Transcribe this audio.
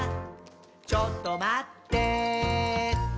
「ちょっとまってぇー」